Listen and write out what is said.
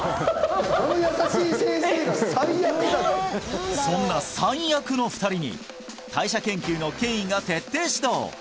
あの優しい先生が「最悪」だってそんな「最悪」の２人に代謝研究の権威が徹底指導